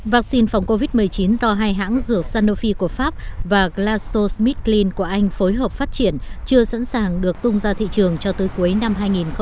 vắc xin phòng covid một mươi chín do hai hãng rửa sanofi của pháp và glasso smith clean của anh phối hợp phát triển chưa sẵn sàng được tung ra thị trường cho tới cuối năm hai nghìn hai mươi một